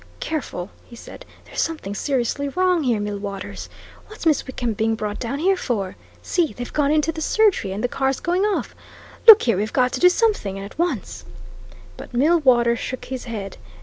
"Careful!" he said. "There's something seriously wrong here, Millwaters! What's Miss Wickham being brought down here for? See, they've gone into that surgery, and the car's going off. Look here we've got to do something, and at once!" But Millwaters shook his head.